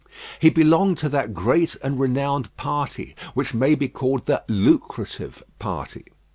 He belonged to that great and renowned party which may be called the Lucrative party.